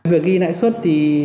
vừa ghi lãi suất thì